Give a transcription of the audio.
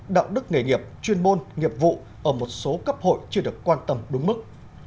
đạo đức nghề nghiệp chuyên môn nghiệp vụ ở một số cấp hội chưa được quan tâm đúng mức